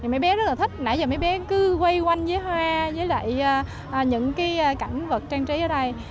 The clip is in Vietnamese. mấy bé rất là thích nãi giờ mấy bé cứ quay quanh với hoa với lại những cái cảnh vật trang trí ở đây